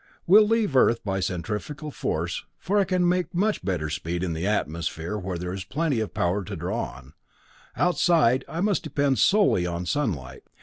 "We'll leave Earth by centrifugal force, for I can make much better speed in the atmosphere where there is plenty of power to draw on; outside I must depend solely on sunlight.